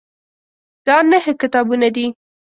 دا نهه کتابونه دي.